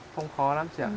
không khó lắm chị ạ